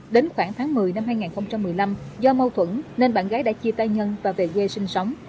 đến khoảng tháng một mươi năm hai nghìn một mươi năm do mâu thuẫn nên bạn gái đã chia tay nhân và về quê sinh sống